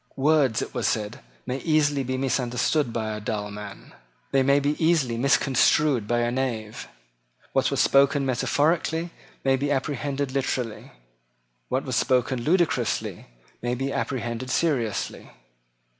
Words, it was said, may easily be misunderstood by a dull man. They may be easily misconstrued by a knave. What was spoken metaphorically may be apprehended literally. What was spoken ludicrously may be apprehended seriously.